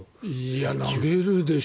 投げるでしょ。